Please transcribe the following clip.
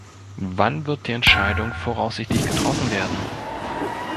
Wann wird die Entscheidung voraussichtlich getroffen werden?